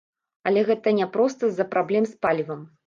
Але гэта няпроста з-за праблем з палівам.